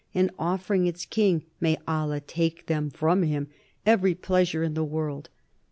. and offering its king "may Allah take them from him! every pleasure in the world."